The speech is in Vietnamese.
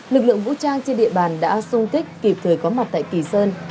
lực lượng vũ trang trên địa bàn đã sung kích kịp thời có mặt tại kỳ sơn